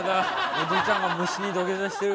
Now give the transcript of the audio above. おじいちゃんが虫に土下座してる。